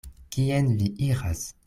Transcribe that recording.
Kien vi iras?